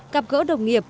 gặp gỡ đồng nghiệp